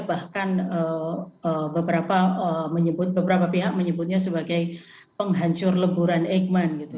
bahkan beberapa pihak menyebutnya sebagai penghancur leburan eikman gitu